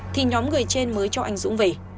thì nhóm người trên mới cho anh dũng về